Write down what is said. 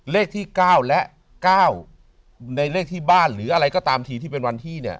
เลขที่๙และ๙ในเลขที่บ้านหรืออะไรก็ตามทีที่เป็นวันที่เนี่ย